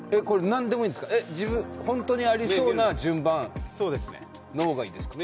何でもいいんですか、本当にありそうな順番の方がいいですか。